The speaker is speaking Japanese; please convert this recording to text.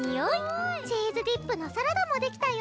チーズディップのサラダも出来たよ。